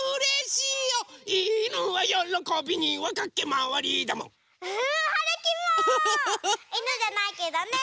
いぬじゃないけどね。